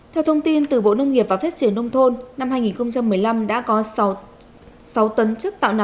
theo thông tin từ bộ nông nghiệp và phép triển nông thôn năm hai nghìn một mươi năm đã có sáu tấn chất tạo nạc sabutamol